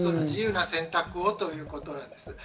自由な選択をということです。